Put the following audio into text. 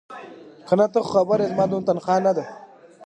که نه تا له خو پته شتې چې زما دومره تنخواه نيشتې.